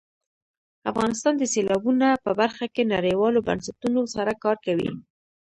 افغانستان د سیلابونه په برخه کې نړیوالو بنسټونو سره کار کوي.